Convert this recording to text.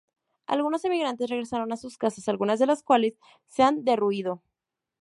Algunos emigrantes regresan a sus casas, algunas de las cuales se han derruido.